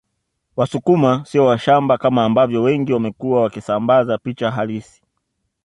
Wasukuma sio washamba kama ambavyo wengi wamekuwa wakisambaza picha halisi